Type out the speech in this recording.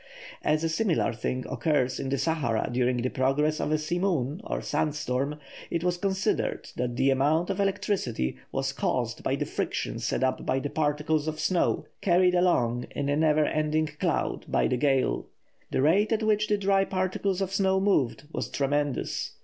As a similar thing occurs in the Sahara during the progress of a simoon or sand storm, it was considered that the amount of electricity was caused by the friction set up by the particles of snow carried along in a never ending cloud by the gale. The rate at which the dry particles of snow moved was tremendous.